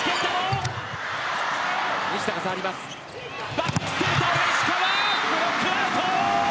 バックセンターの石川ブロックアウト！